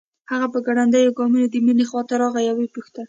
هغه په ګړنديو ګامونو د مينې خواته راغی او وپوښتل